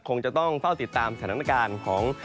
คงจะต้องเฝ้าติดตามสถานการณ์ของ